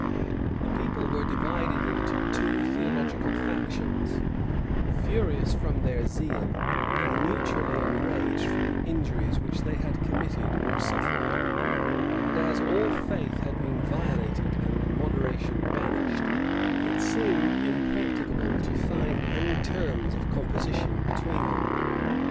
{1575.} The people were divided into two theological factions, furious from their zeal, and mutually enraged from the injuries which they had committed or suffered; and as all faith had been violated and moderation banished, it seemed impracticable to find any terms of composition between them.